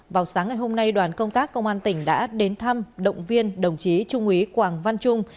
vào sáng ngày hôm nay đoàn công tác công an tỉnh đã đến thăm động viên đồng chí trung úy quảng văn trung